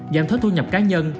giảm thuế thu nhập cá nhân